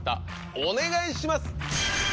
お願いします！